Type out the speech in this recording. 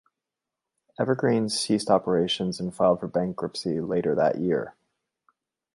Evergreen ceased operations and filed for bankruptcy later that year.